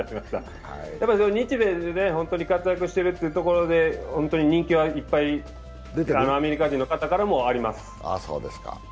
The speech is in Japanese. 日米で活躍しているというところで本当に人気はいっぱいアメリカ人の方からもあります。